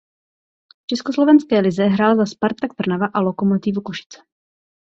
V československé lize hrál za Spartak Trnava a Lokomotívu Košice.